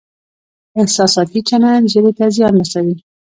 احساساتي چلند ژبې ته زیان رسوي.